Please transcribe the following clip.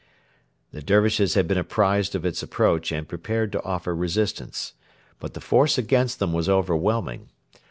The Dervishes had been apprised of its approach and prepared to offer resistance. But the force against them was overwhelming.